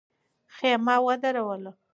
خېمه ودروله.